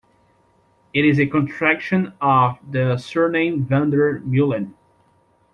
It is a contraction of the surname Van der Meulen.